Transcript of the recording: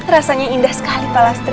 rasanya indah sekali pak lastream